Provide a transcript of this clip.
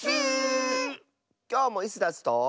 きょうもイスダスと。